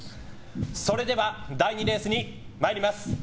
それでは第２レースに参ります。